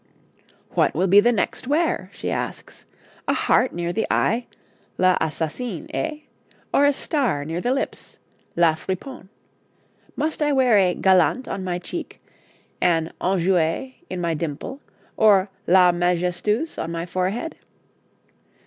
'What will be the next wear?' she asks. 'A heart near the eye l'assassine, eh? Or a star near the lips la friponne? Must I wear a galante on my cheek, an enjouée in my dimple, or la majestueuse on my forehead?'